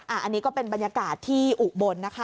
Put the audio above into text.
อันนี้ก็เป็นบรรยากาศที่อุบลนะคะ